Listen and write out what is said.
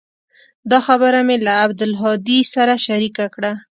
دا خبره مې له عبدالهادي سره شريکه کړه.